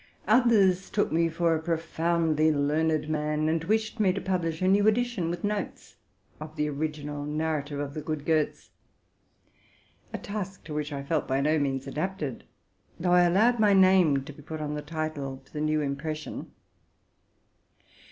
Others took me for a profoundly learned man, and wished me to publish a new edition, with notes, of the original nav rative of the good Gotz,—a task to which I felt by no means adapted, although I allowed my name to be put on the title to the new impression.